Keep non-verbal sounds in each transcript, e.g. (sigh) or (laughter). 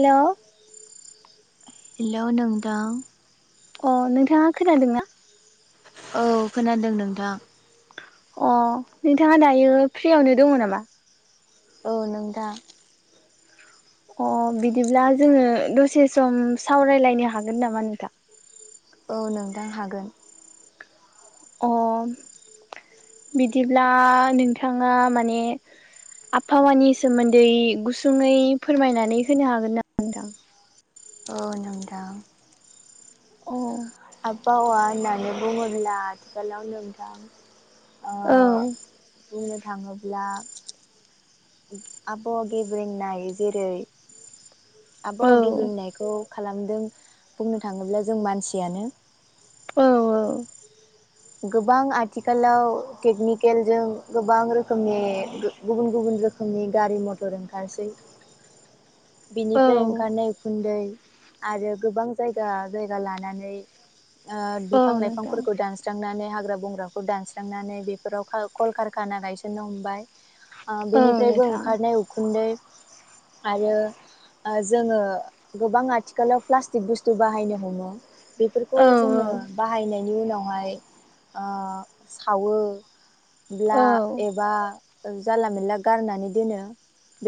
Hello. Hello नोंथां। अ नोंथाङा खोनादोंना? औ खोनादों नोंथां। अ नोंथाङा दायो फ्रियावनो दङ नामा? ओ नोंथां। अ बिदिब्ला जोङो दसे सम सावरायलायनो हागोन नामा नोंथां? औ नोंथां हागोन। अ बिदिब्ला नोंथाङा माने आबहावानि सोमोन्दै गुसुङै फोरमायनानै होनो हागोन नामा नोंथां? औ नोंथां। औ। आबहावा होननानै बुङोब्ला आथिखालाव नोंथां ओ औ। बुंनो थाङोब्ला आबहावा गेब्रें नाय जेरै औ आबहावा गेब्रेंनायखौ खालामदों बुंनो थाङोब्ला जों मानसियानो। औ औ। गोबां आथिखालाव टेकनिकेलजों गोबां रोखोमनि गो गुबुन गुबुन रो खोमनि गारि मथर ओंखारसै। (inaudible) औ बिनिफ्राय ओंखारनाय उखुन्दै आरो गोबां जायगा जायगा लानानै ओ औ बिफां नोंथां लाइफांफोरखौ दान्स सुस्रांनानै हाग्रा बंग्राखौ दानस्रांनानै बेफोराव काल कलकारखाना गायसननो हमबाय ओ औ बेनिफ्रायबो नोंथां ओंखारनाय उखुन्दै आरो ओ जोङो गोबां आथिखालाव प्लास्टिक बुस्थु बाहायनो हमो बेफोरखौ औ जोङो बाहायनायनि उनावहाय ओ सावोब्ला औ एबा ओ जानला मानला गारनानै दोनो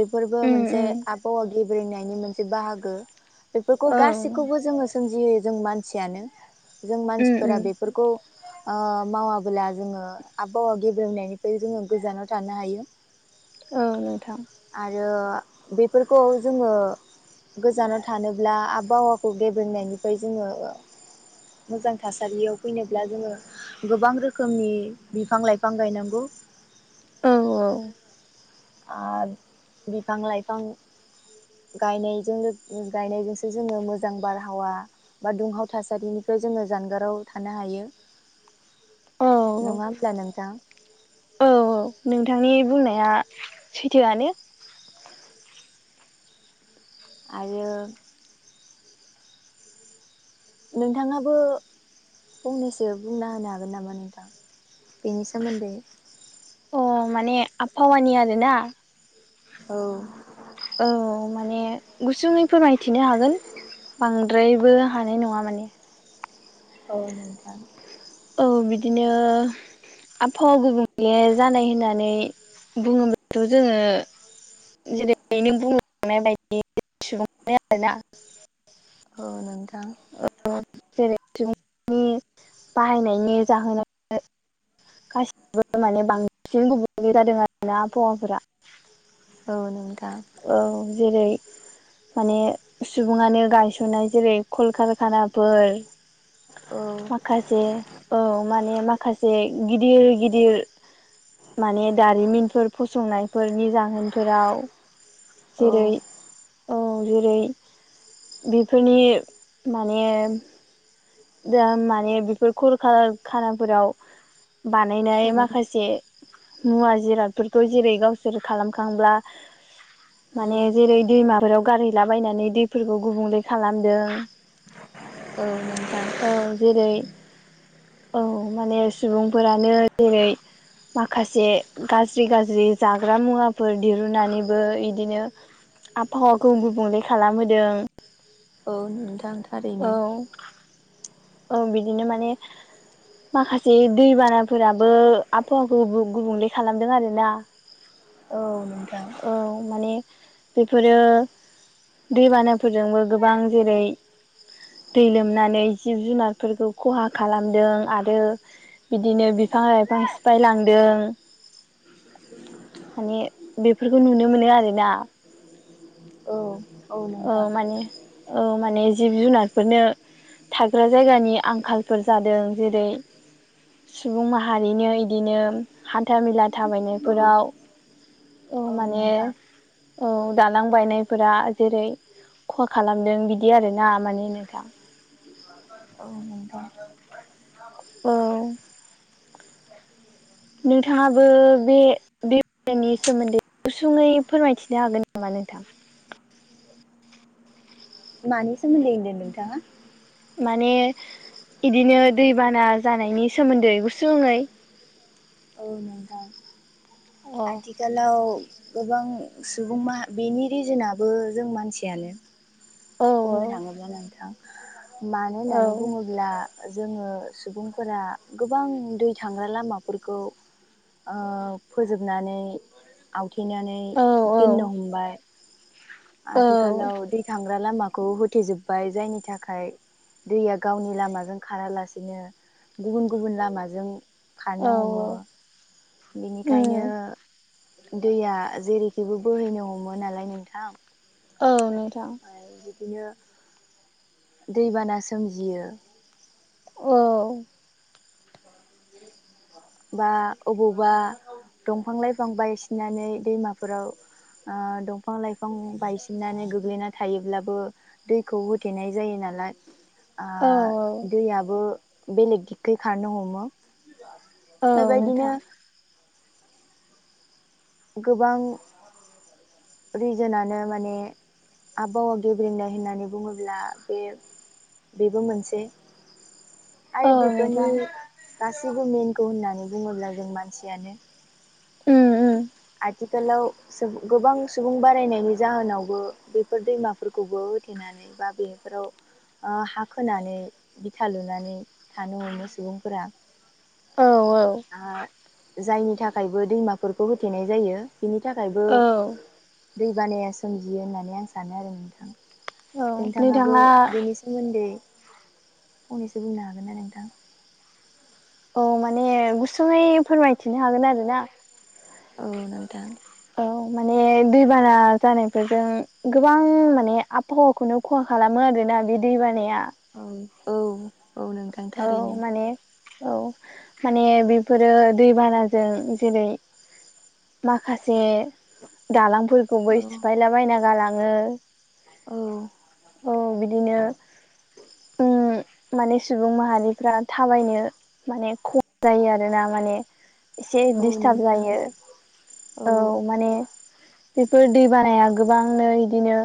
बेफोरबो उम मोनसे उम आबहावा‌ गेब ब्रेंनायनि मोनसे बाहागो बेफोरखौ औ गासैखौबो जोङो सोमजिहोयो जों मानसियानो जों उम उम मानसिफोरा बेफोरखौ ओ मावाबोला जोङो आबहावा गेब्रेंनायनिफ्राय जोङो गोजानाव थानो हायो औ नोंथां आरो बेफोरखौ जोङो गोजानाव थानोब्ला आबहावाखौ गेब्रेंनायनिफ्राय जोङो मोजां थासारियाव फैनो ब्ला जोङो गोबां रोखोमनि बिफां लाइफां गायनांगौ औ औ आं बिफां लाइफां गायनायजों गायनायजोंसो जोङो मोजां बारहावा बा दुंहाव थासारिनिफ्राय जोङो जानगाराव थानो हायो औ नङा होमब्ला नोंथां औ नोंथांनि बुंनाया सैथोआनो आरो नोंथाङाबो फंनैसो बुंना होनो हागोन नामा नोंथां बेनि सोमोन्दै अ माने आबहावानि आरोना औ औ माने गुसुङै फोरमायथिनो हागोन बां द्रायबो हानाय नङा माने औ नोंथां औ बिदिनो आबहावा गुबुंले जानाय होननानै बुडोंबाथ' जों जेरै नों बुंलांनाय बायदि सुबुं आरोना (unintelligible) औ नोंथां (unintelligible) बाहायनायनि जाहोनाव गासिबो माने बांसिन गुबुंले जादों आरोना आबहावा फोरा औ नोंथां औ जेरै माने सुबुङानो गायसननाय जेरै कलकारखानाफोर औ खासे औ माने माखासे गिदिर गिदिर माने दारिमिनफोर फसंनायफोरनि जाहोनफोराव औ जेरै औ जेरै बेफोरनि‌ माने दा माने बेफोर खल कार खानाफोराव बानायनाय माखासे मुवा जिरादफोरखौ जेरै गावसोर खालामखांब्ला औ माने जेरै दैमाफोराव गारहैलाबायनानै दैफोरखौ गुबुंले खालामदों। औ नोंथां औ जेरै औ माने सुबुंफोरानो जेरै माखासे गाज्रि गाज्रि जाग्रा मुवाफोर दिरुनानैबो इदिनो आबहावाखौ गुबुंले खालामहोदों। औ नोंथां औ थारैनो औ बिदिनो माने माखासे दैबानाफोराबो आबहावाखौ गु-गुबुंले खालामदों आरो ना (inaudible) औ नोंथां औ माने बेफोरो दैबानाफोरजोंबो गोबां जेरै दै लोमनानै जिब-जुनारफोरखौ खहा खालामदों आरो बिदिनो बिफां-लाइफां सिफाय लांदों। माने बेफोरखौ नुनो मोनो आरोना औ औ माने औ माने जिब-जुनारफोरनो थाग्रा जायगानि आंखालफोर जादों जेरै सुबुं माहारिनो इदिनो हान्था मेला औ थाबायनायफोराव औ माने औ दालां बायनायफोरा जेरै खहा खालामदों बिदि आरो ना माने नोंथां (inaudible) औ नोंथाङाबो बे बेनि सोमोन्दै गुसुङै फोरमायथिनो हागोन नामा नोंथां? मानि सोमोन्दै होनदों नोंथाङा माने इदिनो दैबाना जानायनि सोमोन्दै गुसुङै औ नोंथां अ आथि खालाव गोबां सुबुं मा बेनि रिजोनाबो जों मानसियानो औ बुंनो थाङोब्ला नोंथां मानो होननानै औ बुङोब्ला जोङो सुबुंफोरा गोबां दै थांग्रा लामाफोरखौ ओ फोजोबनानै आवथेनानै औ औ दोननो हमबाय औ आथोखालाव दै थांग्रा लामाखौ होथेजोबबाय जायनि दैया गावनि लामाजों खारालासिनो गुबुन गुबुन लामाजों औ खारनो हमो उम बेनिखायनो दैया जेरैखिबो बोहैनो हमो नालाय नोंथां औ नोंथां आरो बिदिनो दैबाना सोमजियो औ (inaudible) बा अबावबा दंफां लाइफां बायसिनानै दैमाफोराव ओ दंफां- लाइफां बायसिननानै गोग्लैना थायोब्लाबो दैखौ होथेनाय जायो नालाय आ औ औ दैयाबो बेलेग दिगै खारनो हमो औ बेबायदिनो नोंथां गोबां रिजोनानो माने आबहावा गेब्रेनाय होननानै बुङोब्ला बे बेबो मोनसे औ आरो बेफोरनि नोंथां गासैबो मेनखौ होननानै बुङोब्ला जों मानसियानो उम उम आथिखालाव जों गोबां सुबुं बारायनायनि जाहोनावबो बेफोर दैमाफोरखौबो होथेनानै बा बेफोराव ओ हा खोनानै बिथा लुनानै थानो हमो सुबुंफोरा। औ औ हा जायनि थाखायबो दैमाफोरखौ होथेनाय जायो बिनि थाखायबो औ दैबानाया सोमजियो होननानै आं सानो आरो नोंथां। नोंथाङाबो नोंथाङा बेनि सोमोन्दै फंनैसो बुंनो हागोन ना नोंथां? औ माने गुसुङयै फोरमायथिनो हागोन आरो ना औ नोंथां औ माने दैबाना जानायफोरजों गोबां माने फवाखौनो खहा खालामो बे दैबानाया औ औ नोंथां औ थारैनो माने औ माने बेफोरो दैबानाजों जेरै माखासे औ दालांफोरखौबो सिफायला बायना गालाङो औ औ बिदिनो उम माने सुबुं माहारिफ्रा थाबायनो माने खम जायो आरोना माने ऐसे औ दिसथाब नोंथां जायो औ माने बेफोर दै बानाया गोबांनो इदिनो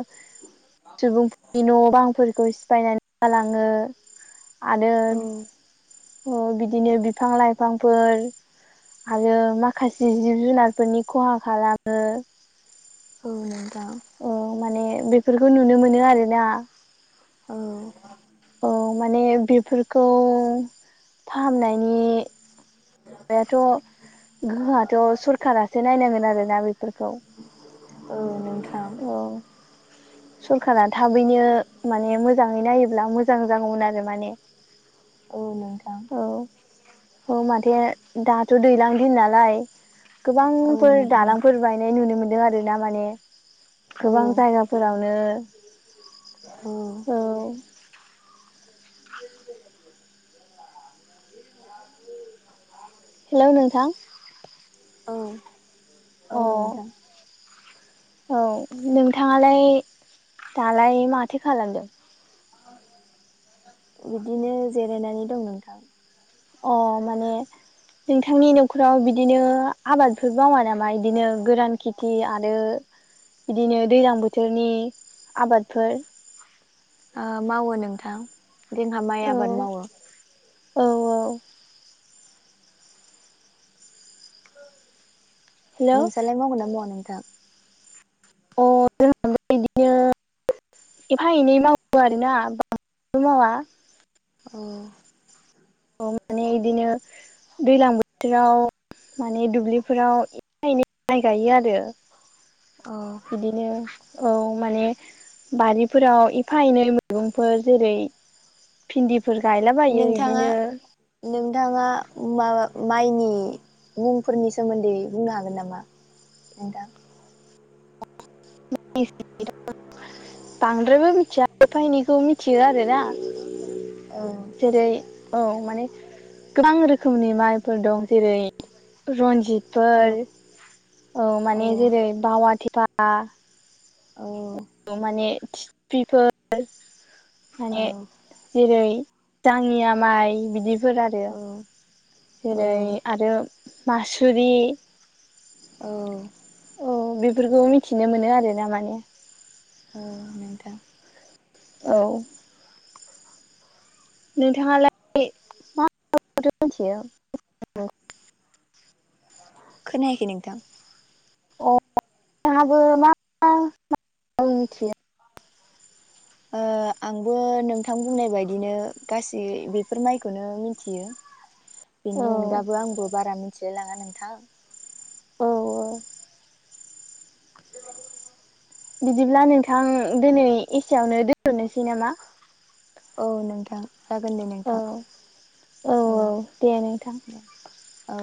सुबुंफोरनि न' बां न'फोरखौ सिफायनानै गालाङो आरो औ अ बिदिनो बिफां-लाइफांफोर आरो माखासे जिब-जुनारफोरनि खहा खालामो। औ नोंथां औ माने बेफोरखौ नुनो मोनो आरोना औ औ माने बेफोरखौ फाहामनायनि माबायाथ' गोहोआथ' सरखारासो नायनांगोन आरोना बेफोरखौ औ नोंथां औ सरखारा थाबैनो माने मोजाङै नायोब्ला मोजां जागौमोन आरो माने औ नोंथां औ औ माथो दाथ' दैलां दिन नालाय औ गोबांफोर नोंथां दालांफोर बायनाय नुनो मोन्दों आरो ना माने औ गोबां जायगाफोरावनो औ औ हेल' नोंथां औ अ नोंथां औ नोंथाङालाय दालाय माथो खालामदों बिदिनो जिरायनानै दं नोंथां अ माने नोंथांनि न'खराव बिदिनो आबादफोर मावा नामा बिदिनो गोरान खेथि आरो बिदिनो दैज्लां बोथोरनि आबादफोर मावो नोंथां जोंहा माइ औ आबाद मावो औ औ हेलौ नोंसोरलाय मावगोन ना मावा नोंथां? अ जों बिदिनो एफा एनै मावो आरोना बांबो मावा। औ माने बिदिनो दैज्लां बोथोराव माने दुब्लिफोराव ए एनै माइ गायो आरो। औ बिदिनो औ माने बारिफोराव एफा एनै मैगंफोर जेरै भिन्दि फोर गायलाबायो नोंथाङा बिदिनो नोंथाङा मा माइनि मुंफोरनि सोमोन्दै बुंनो हागोन नामा? (inaudible) (unintelligible) बांद्राय बो मिथिया एफायनैखौ मिथियो आरोना औ जेरै औ माने गोबां रोखोमनि माइफोर दं जेरै रनजित फोर औ औ माने जेरै बावाथिटिफा औ माने टिफिफोर माने औ जेरै दाङिया माइ बिदिफोर आरो। औ औ जेरै आरो मासुरि। औ औ बेफोरखौ मिथिनो मोनो आरो ना माने। औ नोंथां। औ नोंथाङालाय मा माथो मिथियो? खोनाखै नोंथां? अ जोंहाबो मा मा मिथियो ओ आंबो नोंथां बुंनाय बायदिनो गासै बेफोर माइखौनो मिथियो। (inaudible) बेनि अनगाबो आंबो बारा मिथिलायलाङा नोंथां। औ औ (inaudible) बिदिब्ला नोंथां दिनै एसेयावनो दोनथ'नोसै नामा? औ नोंथां जागोन दे औ नोंथां औ दे नोंथां। दे। औ